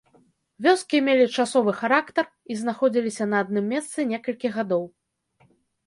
Вёскі мелі часовы характар і знаходзіліся на адным месцы некалькі гадоў.